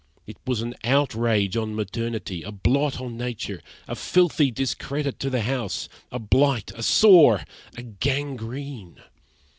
It was an outrage on maternity, a blot on nature, a filthy discredit to the house, a blight, a sore, a gangrene.